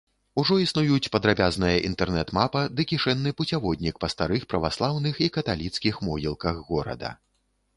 Ужо існуюць падрабязная інтэрнэт-мапа ды кішэнны пуцяводнік па старых праваслаўных і каталіцкіх могілках горада.